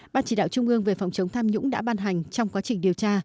ban chỉ đạo trung ương về phòng chống tham nhũng đã ban hành trong quá trình điều tra